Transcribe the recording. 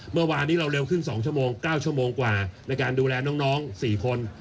เมื่อวานนี้เราเร็วขึ้น๒ชั่วโมง๙ชั่วโมงกว่าในการดูแลน้อง๔คน